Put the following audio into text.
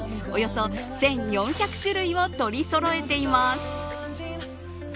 およそ１４００種類を取りそろえています。